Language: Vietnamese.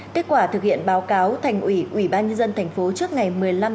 kết quả thực hiện báo cáo thành ủy ubnd tp trước ngày một mươi năm bốn hai nghìn hai mươi